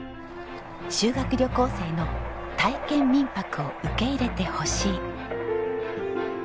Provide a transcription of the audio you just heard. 修学旅行生の体験民泊を受け入れてほしい。